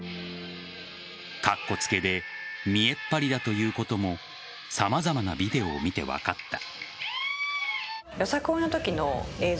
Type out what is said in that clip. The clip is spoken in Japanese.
カッコつけで見えっ張りだということも様々なビデオを見て分かった。